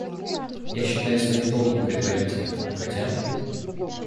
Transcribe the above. Я считаю своим долгом предварить тебя, хотя...